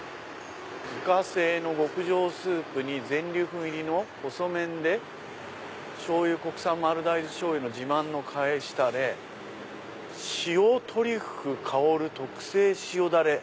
「自家製の極上スープに全粒粉入りの細麺で『しょうゆ』国産丸大豆使用の自慢のかえしタレ『しお』トリュフ香る特製塩ダレ」。